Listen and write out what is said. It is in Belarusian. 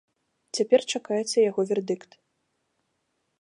Цяпер чакаецца яго вердыкт.